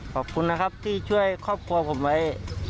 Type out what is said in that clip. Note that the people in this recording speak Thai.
ขอบคุณนะครับที่ช่วยครอบครัวผมไว้